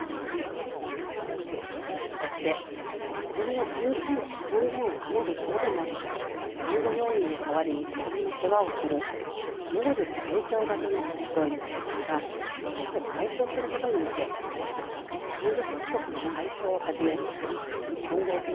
そして親の人権と尊厳を守る上でも看護要員の代わりに子どもの世話をする労力提供型の付き添いから親を解放することに向け看護師不足の解消をはじめ混合病棟の廃止